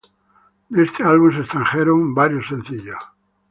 De este álbum se extrajeron varios sencillos.